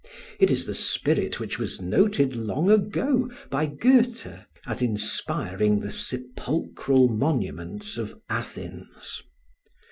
It is the spirit which was noted long ago by Goethe as inspiring the sepulchral monuments of Athens.